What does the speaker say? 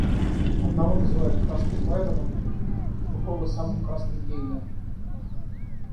Одного называют красным Байроном, другого — самым красным Гейнем.